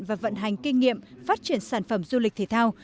và vận hành kinh nghiệm phát triển sản phẩm du lịch thể thao